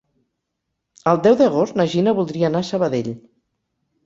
El deu d'agost na Gina voldria anar a Sabadell.